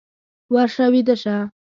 ورشه ويده شه!